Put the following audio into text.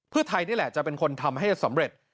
เพื่อไทยนี่แหละจะเป็นคนทำให้สำเร็จ